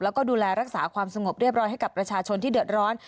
แล้วก็ดูแลรักษาความสงบเรียบร้อยให้กับประชาชนที่เดือดร้อน